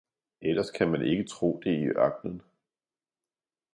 Ellers kan man ikke tro det i ørknen!